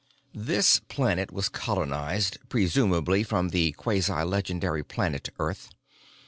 "This planet was colonized, presumably from the quasi legendary planet Earth.